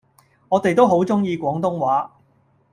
我哋都好鍾意廣東話